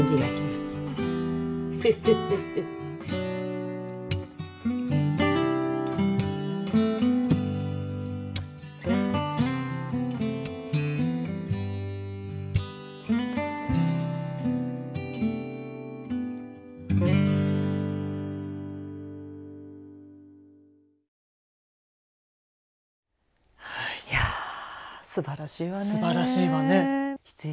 すばらしいわね。